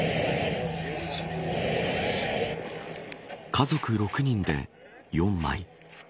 家族６人で４枚。